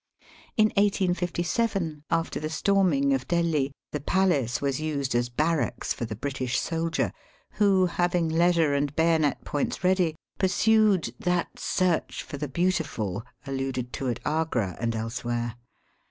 In 1857, after the storming of Delhi, the palace was used as barracks for the British soldier, who, having leisure and bayonet points ready, pursued that search for the beautiful alluded to at Agra and else where.